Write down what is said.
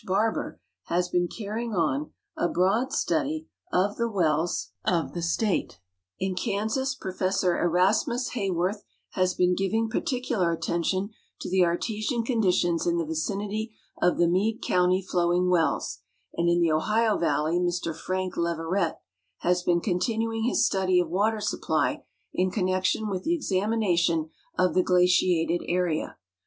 Barbour has been carrying on a broad study of the wells of the 348 MISCELLANEA state ; in Kansas Professor Erasmus Haworth has been giving particular attention to the artesian conditions in the vicinity of the Meade Count}' flowing wells, and in the Ohio valley Mr Frank Leverett has been continuing his study of water supply in connection with the examination of the glaciated area.